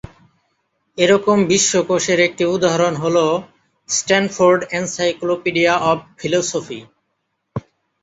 এ রকম বিশ্বকোষের একটি উদাহরণ হলো স্ট্যানফোর্ড এনসাইক্লোপিডিয়া অফ ফিলোসফি।